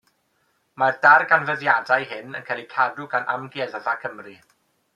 Mae'r darganfyddiadau hyn yn cael eu cadw gan Amgueddfa Cymru.